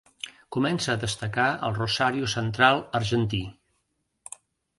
Comença a destacar al Rosario Central argentí.